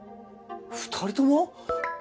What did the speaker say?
２人とも？